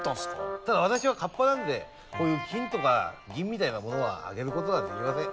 ただ私はカッパなんでこういう金とか銀みたいなものはあげることはできません。